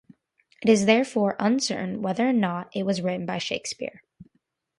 It is therefore uncertain whether or not it was written by Shakespeare.